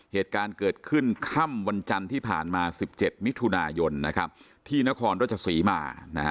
เหตุการณ์เกิดขึ้นค่ำวันจันทร์ที่ผ่านมา๑๗มิถุนายนที่นครราชศรีมา